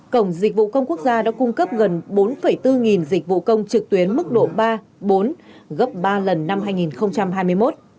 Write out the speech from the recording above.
cổng dịch vụ công quốc gia đã cung cấp gần bốn bốn nghìn dịch vụ công trực tuyến mức độ ba bốn gấp ba lần năm hai nghìn hai mươi một